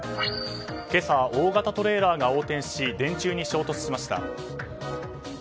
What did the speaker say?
今朝、大型トレーラーが横転し電柱に衝突しました。